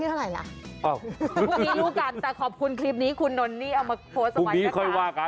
เห็นไก่หรือคะ